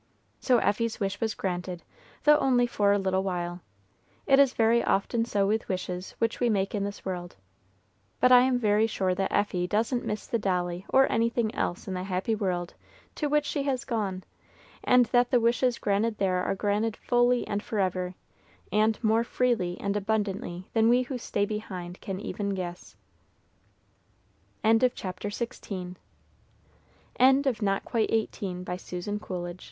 So Effie's wish was granted, though only for a little while. It is very often so with wishes which we make in this world. But I am very sure that Effie doesn't miss the dolly or anything else in the happy world to which she has gone, and that the wishes granted there are granted fully and forever, and more freely and abundantly than we who stay behind can